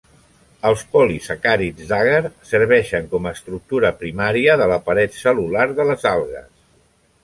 Els polisacàrids d'agar serveixen com a estructura primària de la paret cel·lular de les algues.